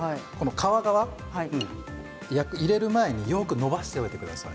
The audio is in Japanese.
皮側から入れる前によくのばしておいてください。